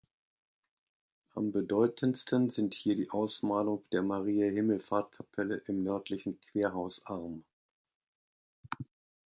Am bedeutendsten sind hier die Ausmalung der Mariae-Himmelfahrt-Kapelle im nördlichen Querhausarm.